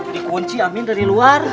dikunci amin dari luar